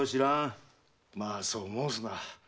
まあそう申すな。